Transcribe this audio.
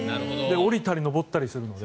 降りたり上ったりするので。